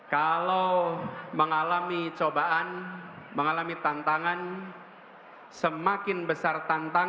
kita berahman dengan kelebihan